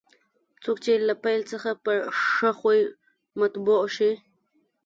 څوک چې له پیل څخه په ښه خوی مطبوع شي.